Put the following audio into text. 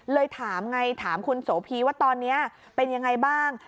ถามไงถามคุณโสพีว่าตอนนี้เป็นยังไงบ้าง